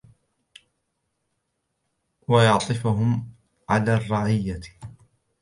وَيُعَطِّفُهُمْ عَلَى الرَّعِيَّةِ